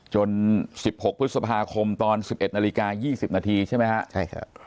๑๖พฤษภาคมตอน๑๑นาฬิกา๒๐นาทีใช่ไหมฮะใช่ครับ